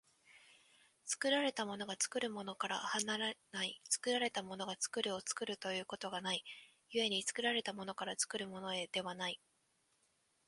作られたものが作るものから離れない、作られたものが作るものを作るということがない、故に作られたものから作るものへではない。